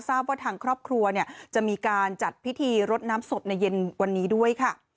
ทราบว่าทางครอบครัวจะมีการจัดพิธีรดน้ำศพในเย็นวันนี้ด้วยค่ะ